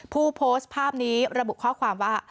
ผู้โพสต์ภาพนี้ระบุข้อความว่า